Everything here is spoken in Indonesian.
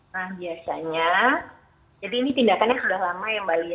nah biasanya jadi ini tindakannya sudah lama ya mbak lia